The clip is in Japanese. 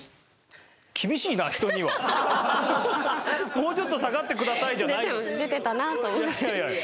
もうちょっと下がってくださいじゃない。